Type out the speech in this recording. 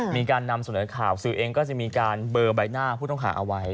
มีการนำเสนอข่าวสื่อเองก็จะมีการเบอร์ใบหน้าผู้ต้องหาเอาไว้